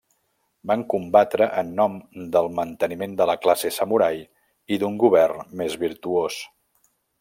Van combatre en nom del manteniment de la classe samurai i d'un govern més virtuós.